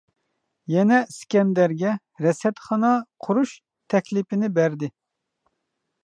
يەنە ئىسكەندەرگە رەسەتخانا قۇرۇش تەكلىپىنى بەردى.